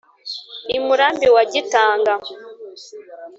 I Murambi wa Gitanga